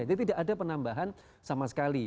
jadi tidak ada penambahan sama sekali